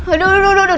aduh udah udah udah